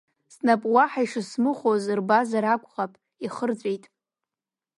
Снапы уаҳа ишысмыхәоз рбазар акәхап, ихырҵәеит.